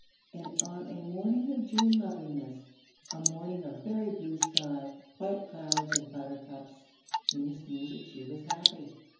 And on a morning of June loveliness, a morning of very blue sky, white clouds, and butter cups, Eunice knew that she was happy.